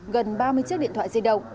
gần ba mươi chiếc điện thoại di động